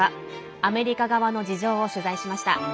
アメリカ側の事情を取材しました。